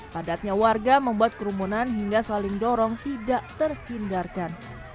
padatnya warga membuat kerumunan hingga saling dorong tidak terhindarkan